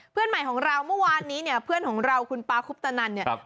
เพื่อนใหม่ของเราเมื่อวานนี้เนี่ยเพื่อนของเราคุณป๊าคุปตนันเนี่ย